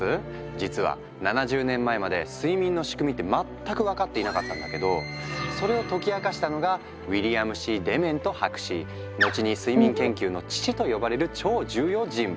実は７０年前まで睡眠の仕組みって全く分かっていなかったんだけどそれを解き明かしたのが後に睡眠研究の父と呼ばれる超重要人物！